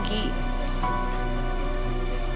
kan udah ada mama dewi di sini